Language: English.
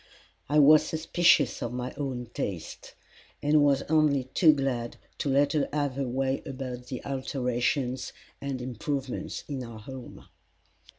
I was suspicious of my own taste, and was only too glad to let her have her way about the alterations and improvements in our home.